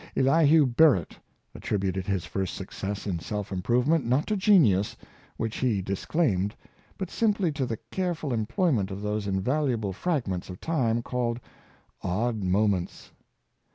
Elihu Burritt attributed his first success in self improvement, not to genius, which he disclaimed, but simply to the careful employment of those invaluable fragments of 260 '' The Hours Perisho time called ''odd moments."